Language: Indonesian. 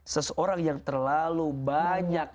seseorang yang terlalu banyak